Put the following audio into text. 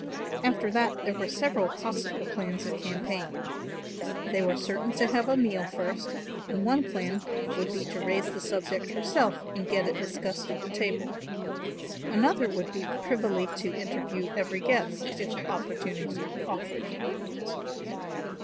After that there were several possible plans of campaign. They were certain to have a meal first and one plan would be to raise the subject herself and get it discussed at the table, another would be privily to interview every guest, if opportunity offered.